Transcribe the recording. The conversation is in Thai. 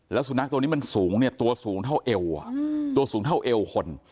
แล้วสุนัขตัวนี้มันสูงเนี่ยตัวสูงเท่าเอวตัวสูงเท่าเอวคน